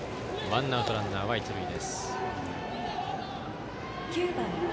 ワンアウトランナー、一塁です。